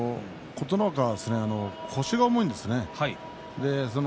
琴ノ若は腰が重いんですね。